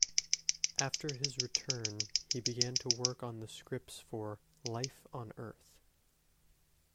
After his return, he began to work on the scripts for "Life on Earth".